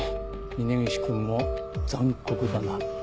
峰岸君も残酷だな。